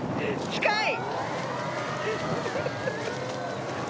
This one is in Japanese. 近い。